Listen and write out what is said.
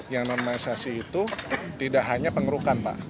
yang normalisasi itu tidak hanya pengerukan pak